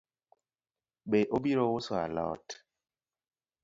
Be obiro uso alot?